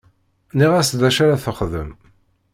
Nniɣ-as d acu ara texdem.